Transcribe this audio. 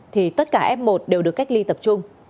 thì tất cả f một đều được cách ly tập trung